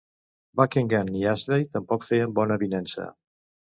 Buckingham i Ashley tampoc feien bona avinença.